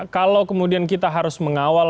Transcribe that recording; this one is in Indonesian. kalau kemudian kita harus mengawal